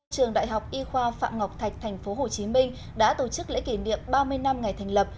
trường đại học y khoa phạm ngọc thạch tp hcm đã tổ chức lễ kỷ niệm ba mươi năm ngày thành lập